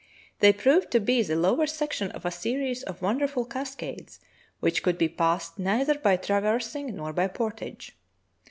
They proved to be the lower section of a series of wonder ful cascades which could be passed neither by trav ersing nor by portage.